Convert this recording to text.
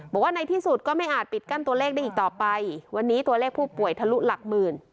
บอกว่าในที่สุดก็ไม่อาจปิดกั้นตัวเลขได้อีกต่อไปวันนี้ตัวเลขผู้ป่วยทะลุหลักหมื่น